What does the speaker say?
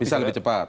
bisa lebih cepat